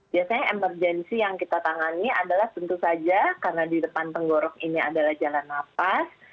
biasanya emergensi yang kita tangani adalah tentu saja karena di depan tenggorok ini adalah jalan nafas